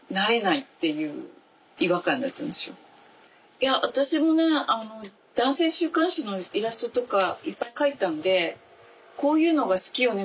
いや私もね男性週刊誌のイラストとかいっぱい描いたので「こういうのが好きよね」